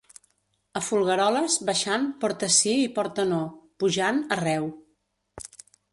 A Folgueroles, baixant, porta sí i porta no; pujant, arreu.